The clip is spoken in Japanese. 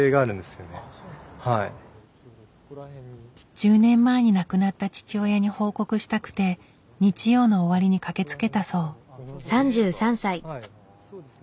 １０年前に亡くなった父親に報告したくて日曜の終わりに駆けつけたそう。